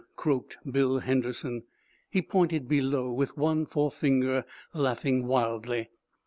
croaked Bill Henderson. He pointed below, with one forefinger, laughing wildly.